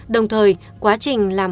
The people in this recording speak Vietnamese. đồng thời quá trình làm